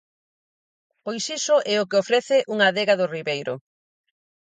Pois iso é o que ofrece unha adega do Ribeiro.